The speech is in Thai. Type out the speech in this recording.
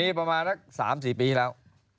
นี่ประมาณ๓๔ปีแล้ว